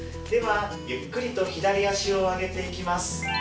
ではゆっくりと左足を上げていきます。